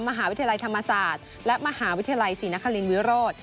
มหาวิทยาลัยธรรมศาสตร์และมหาวิทยาลัยศรีนครินวิโรธ